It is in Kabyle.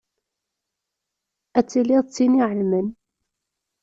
Ad tiliḍ d tin iεelmen.